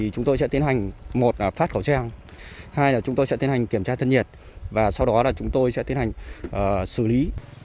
chúng tôi sẽ tiến hành phát khẩu trang kiểm tra thân nhiệt và xử lý